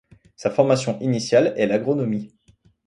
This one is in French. Sa formation initiale est l'agronomie.